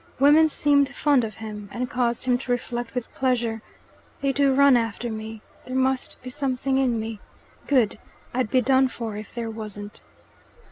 Women seemed fond of him, and caused him to reflect with pleasure, "They do run after me. There must be something in me. Good. I'd be done for if there wasn't."